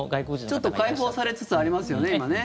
ちょっと開放されつつありますよね、今。